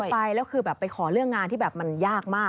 ไปแล้วคือแบบไปขอเรื่องงานที่แบบมันยากมาก